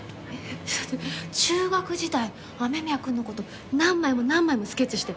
だって中学時代雨宮くんの事何枚も何枚もスケッチして。